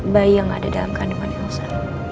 bayi yang ada dalam kandungan elsa